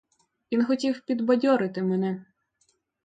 Він хотів підбадьорити мене.